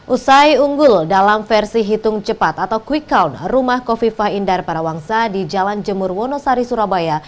usai unggul dalam versi hitung cepat atau quick count rumah kofifah indar parawangsa di jalan jemur wonosari surabaya